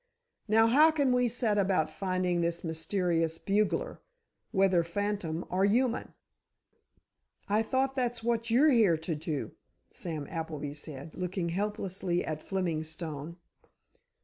Now, how can we set about finding this mysterious bugler—whether phantom or human?" "I thought that's what you're here to do," Sam Appleby said, looking helplessly at Fleming Stone.